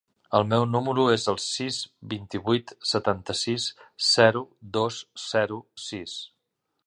El meu número es el sis, vint-i-vuit, setanta-sis, zero, dos, zero, sis.